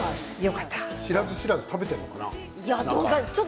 知らず知らず食べているのかな？